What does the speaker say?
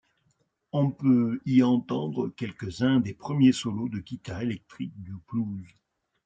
On peut y entendre quelques-uns des premiers solos de guitare électrique du blues.